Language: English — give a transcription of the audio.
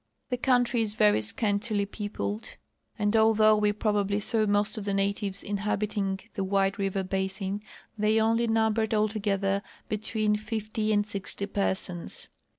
The country is very scantily peopled, and although we prob ably saAV most of the natives inhabiting the White River basin they only numbered alogether betAveen fifty and sixty persons.